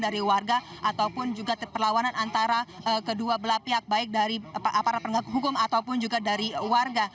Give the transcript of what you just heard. dari warga ataupun juga perlawanan antara kedua belah pihak baik dari aparat penegak hukum ataupun juga dari warga